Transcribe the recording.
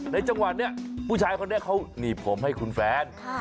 จังหวะนี้ผู้ชายคนนี้เขาหนีบผมให้คุณแฟน